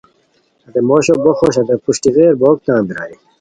ہتے موشو بو خوش تو ہتے پروشٹی غیر بوک تان بیرائے